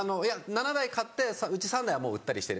７台買ってうち３台はもう売ったりしてる。